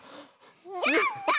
やった！